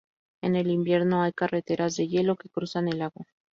En el invierno, hay carreteras de hielo que cruzan el lago.